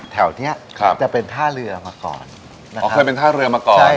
แถวเนี้ยครับจะเป็นท่าเรือมาก่อนอ๋อเคยเป็นท่าเรือมาก่อน